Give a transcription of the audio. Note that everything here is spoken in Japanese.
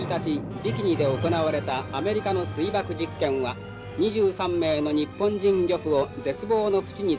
ビキニで行われたアメリカの水爆実験は２３名の日本人漁夫を絶望のふちに突き落としました」。